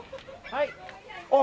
はい。